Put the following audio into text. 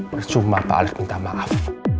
bersuma pak alex minta maaf